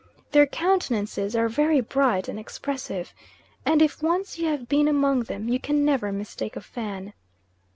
Their countenances are very bright and expressive, and if once you have been among them, you can never mistake a Fan.